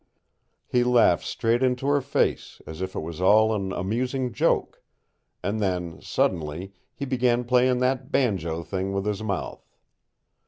He laughed straight into her face, as if it was all an amusing joke; and then, suddenly, he began playing that banjo thing with his mouth.